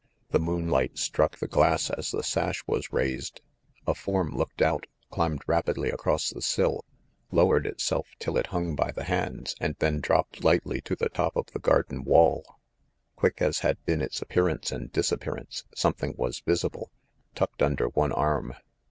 The moonlight struck the glass as the sash was raised. A form looked out, climbed rapidly across the sill, lowered itself till it hung by the hands, and then dropped lightly to the top of the garden wall. Quick as had been its appear ance and disappearance, something was visible, tucked under one arm.